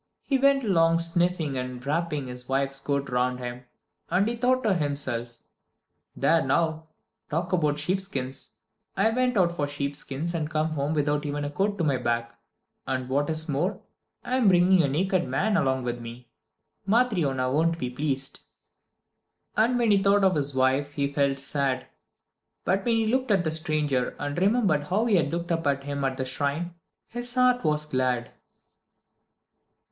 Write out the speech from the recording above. He went along sniffling and wrapping his wife's coat round him, and he thought to himself: "There now talk about sheep skins! I went out for sheep skins and come home without even a coat to my back, and what is more, I'm bringing a naked man along with me. Matryona won't be pleased!" And when he thought of his wife he felt sad; but when he looked at the stranger and remembered how he had looked up at him at the shrine, his heart was glad.